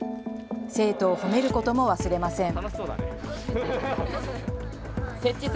生徒を褒めることも忘れません。